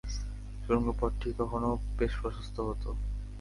সুড়ঙ্গ পথটি কখনো বেশ প্রশস্ত হত।